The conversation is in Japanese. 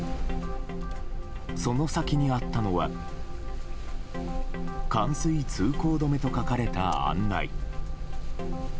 その先にあったのは冠水通行止めと書かれた案内。